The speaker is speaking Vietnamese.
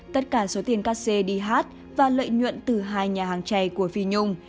tất cả số tiền ca sê đi hát và lợi nhuận từ hai nhà hàng chày của phi nhung